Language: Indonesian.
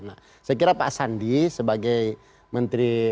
nah saya kira pak sandi sebagai menteri